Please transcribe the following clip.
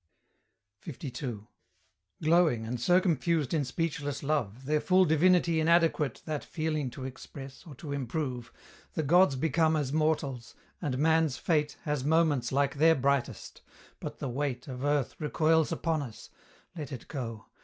LII. Glowing, and circumfused in speechless love, Their full divinity inadequate That feeling to express, or to improve, The gods become as mortals, and man's fate Has moments like their brightest! but the weight Of earth recoils upon us; let it go!